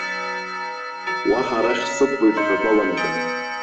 Уаҳа арахь сықәлоит ҳәа баламган!